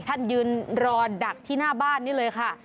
ท่านยืนรอดักที่หน้าบ้านนี่เลยค่ะ